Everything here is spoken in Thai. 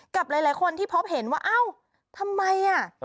กับหลายคนที่พบเห็นว่าเอ้าทำไมอ่ะ